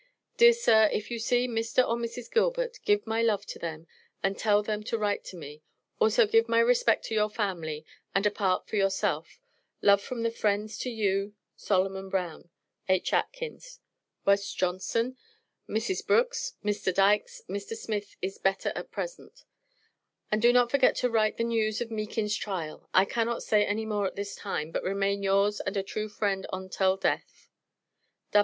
Dear Sir, if you see Mr. or Mrs. Gilbert Give my love to them and tell them to write to me, also give my respect to your Family and A part for yourself, love from the friends to you Soloman Brown, H. Atkins, Was. Johnson, Mrs. Brooks, Mr. Dykes. Mr. Smith is better at presant. And do not forget to write the News of Meakin's tryal. I cannot say any more at this time; but remain yours and A true Friend ontell Death.